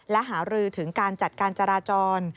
และหารือถึงการจัดการจราจร